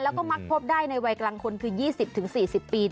แล้วก็มักพบได้ในวัยกลางคนคือ๒๐๔๐ปี